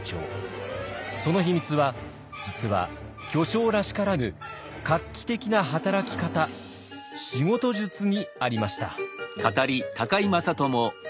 その秘密は実は巨匠らしからぬ画期的な働き方仕事術にありました。